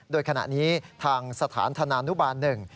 โดยขณะนี้ทางสถานธนานุบาลหนึ่ง